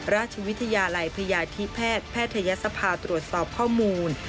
ราชวิทยาลัยพยาธิแพทย์แพทยศภาตรวจสอบข้อมูล